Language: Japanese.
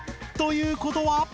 ということは！？